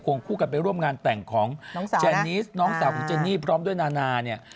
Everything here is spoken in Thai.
วงคู่กันไปร่วมงานแต่งของน้องเจนนิสน้องสาวของเจนนี่พร้อมด้วยนานาเนี่ย